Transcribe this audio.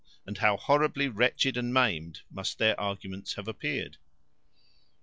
And how horribly wretched and maimed must their arguments have appeared!